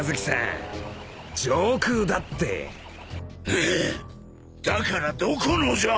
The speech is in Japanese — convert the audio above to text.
ぬっだからどこのじゃ！